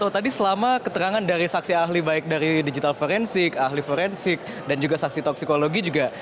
tadi selama keterangan dari saksi ahli baik dari digital forensik ahli forensik dan juga saksi toksikologi juga